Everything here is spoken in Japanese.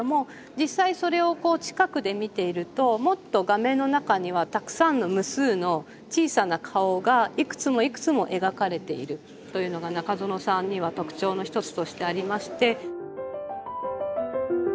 実際それをこう近くで見ているともっと画面の中にはたくさんの無数の小さな顔がいくつもいくつも描かれているというのが中園さんには特徴の一つとしてありまして。